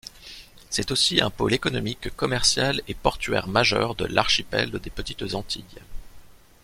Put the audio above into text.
C'est aussi un pôle économique, commercial et portuaire majeur de l'archipel des Petites Antilles.